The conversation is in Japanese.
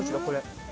これ。